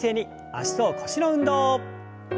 脚と腰の運動。